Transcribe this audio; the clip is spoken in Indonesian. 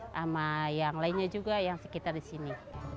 sama yang lainnya juga yang sekitar di sini